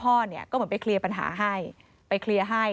ก็เหมือนไปเคลียร์ปัญหาให้ไปเคลียร์ให้